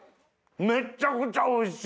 めっちゃくちゃおいしい！